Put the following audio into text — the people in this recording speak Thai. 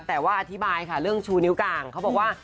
แต่ว่าอธิบายค่ะเรื่องชูนิ้วกลางเขาบอกว่า